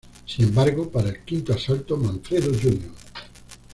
Sin embargo, para el quinto asalto, Manfredo, Jr.